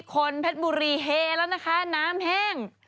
คนเพชรบุรีเฮแล้วนะคะน้ำแห้ง